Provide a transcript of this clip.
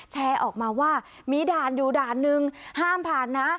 แชร์ออกมาว่ามีด่านอยู่ด่านนึงห้ามผ่านนะ